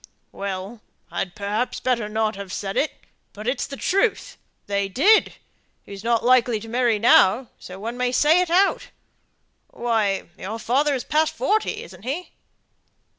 "Well I'd perhaps better not have said it, but it's the truth; they did. He's not likely to marry now, so one may say it out. Why, your father is past forty, isn't he?"